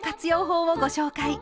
法をご紹介。